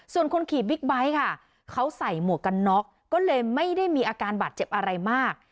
ส่วนคนขี่บิ๊กไบท์ค่ะเขาใส่หมวกกันน็อกก็เลยไม่ได้มีอาการบาดเจ็บอะไรมาก